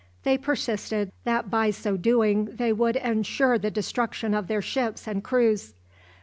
They persisted that by so doing they would ensure the destruction of their ships and crews.